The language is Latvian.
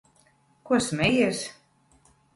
Ko smejies?